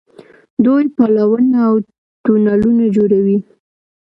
دوی پلونه او تونلونه جوړوي.